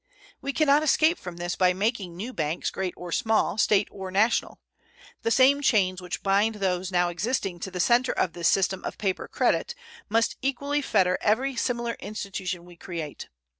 We can not escape from this by making new banks, great or small, State or national. The same chains which bind those now existing to the center of this system of paper credit must equally fetter every similar institution we create.